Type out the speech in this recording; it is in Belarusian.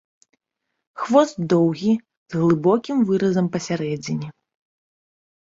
Хвост доўгі, з глыбокім выразам пасярэдзіне.